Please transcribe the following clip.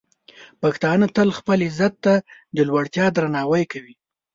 پښتانه تل خپل عزت ته د لوړتیا درناوی کوي.